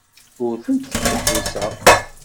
Ur tent-ttdeḥḥiseɣ.